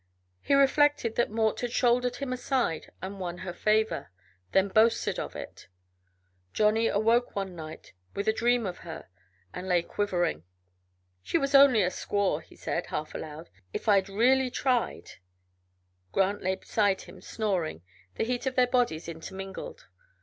He reflected that Mort had shouldered him aside and won her favor, then boasted of it. Johnny awoke one night with a dream of her, and lay quivering. "She was only a squaw," he said, half aloud. "If I'd really tried " Grant lay beside him, snoring, the heat of their bodies intermingled.